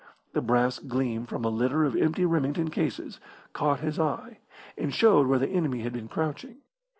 The brass gleam from a litter of empty Remington cases caught his eye, and showed where the enemy had been crouching.